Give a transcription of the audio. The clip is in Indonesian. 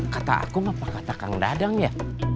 kata aku apa kata kang dadang ya